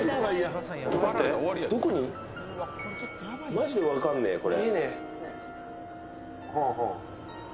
マジで分かんねえ、これ。